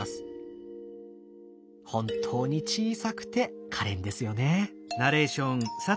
本当に小さくてかれんですよね。